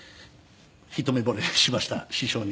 一目惚れしました師匠に。